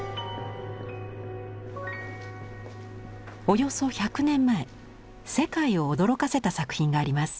およそ１００年前世界を驚かせた作品があります。